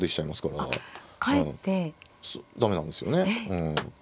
駄目なんですよね。